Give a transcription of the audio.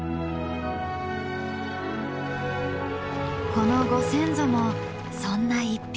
このご先祖もそんな一匹。